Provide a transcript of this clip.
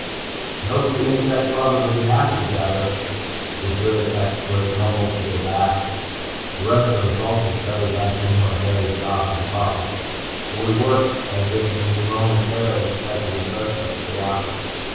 "I hope you insect lovers will be very happy together," the grid expert mumbled to their backs. The rest of us also settled back into our varied jobs and problems. But we worked as if we momentarily expected an earthquake to rock us.